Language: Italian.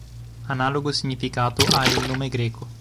Analogo significato ha il nome greco.